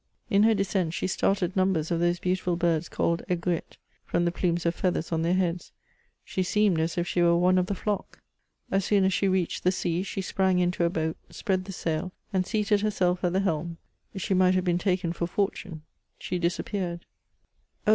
In her descent she started numbers of those beautiful birds called Aigrettes^ from the plumes of feathers on their heads ; she seemed as if she were one of the flock. As soon as she reached the sea, she sprang into a boat— spread the sail — and seated her* fieU at the helm ; she might have been taken for Fortune ; she disappeared. Oh